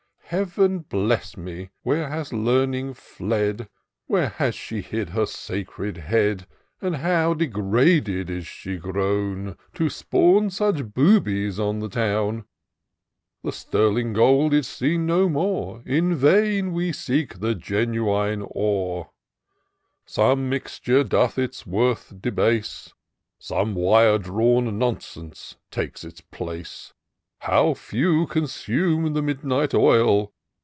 Heaven bless me! where has Learning fled ? Where has she hid her sacred head ? Oh, how degraded is she grown, To spawn such boobies on the town! Q Q 298 TOUR OF DOCTOR SYNTAX The sterling gold is seen no more ; In vain we seek the genuine ore: Some mixture doth its worth debase ; Some wire drawn nonsense takes its place. How few consume the midnight oil